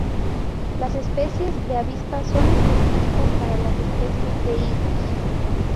Las especies de avispas son específicas para las especies de higos.